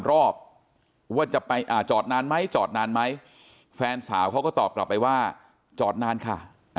รอบว่าจะไปจอดนานไหมจอดนานไหมแฟนสาวเขาก็ตอบกลับไปว่าจอดนานค่ะ